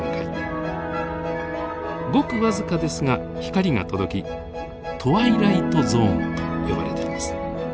ごく僅かですが光が届きトワイライトゾーンと呼ばれています。